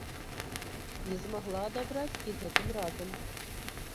Не змагла адабраць і гэтым разам.